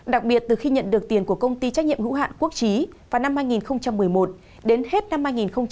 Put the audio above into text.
đặc biệt từ khi nhận được tiền của công ty trách nhiệm hữu hạn quốc trí vào năm hai nghìn một mươi một đến hết năm hai nghìn một mươi bảy